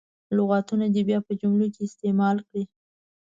لغتونه دې بیا په جملو کې استعمال کړي.